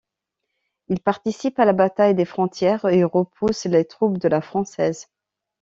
Il participe à la bataille des Frontières et repoussent les troupes de la française.